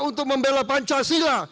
untuk membela pancasila